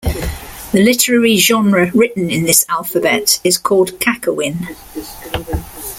The literary genre written in this alphabet is called "Kakawin".